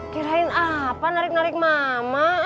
kirain apa narik narik mama